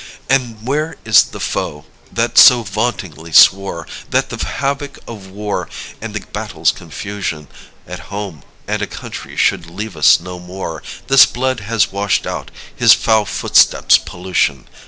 And where is the foe that so vauntingly swore That the havoc of war and the battle's confusion A home and a country should leave us no more? This blood has washed out his foul footstep's pollution.